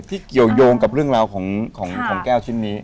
เกี่ยวยงกับเรื่องราวของแก้วชิ้นนี้